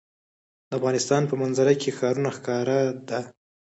د افغانستان په منظره کې ښارونه ښکاره ده.